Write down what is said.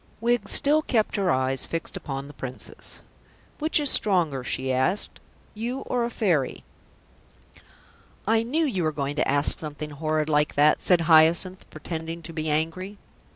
Wiggs still kept her eyes fixed upon the Princess. "Which is stronger," she asked, "you or a Fairy?" "I knew you were going to ask something horrid like that," said Hyacinth, pretending to be angry.